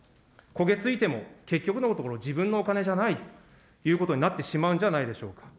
焦げついても、結局のところ、自分のお金じゃないということになってしまうんじゃないでしょうか。